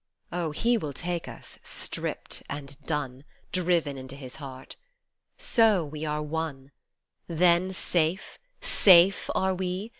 Oh ! He will take us stripped and done, Driven into His heart. So we are won : Then safe, safe are we